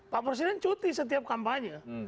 pak presiden cuti setiap kampanye